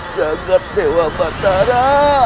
jagad dewa batara